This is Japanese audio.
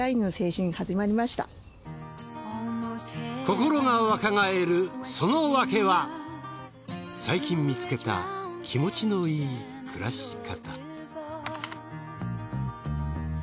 心が若返るそのわけは最近見つけた気持ちのいい暮らし方。